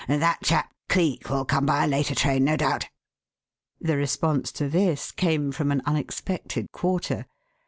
That chap Cleek will come by a later train, no doubt." The response to this came from an unexpected quarter.